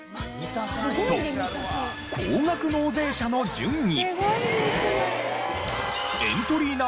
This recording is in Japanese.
そう高額納税者の順位。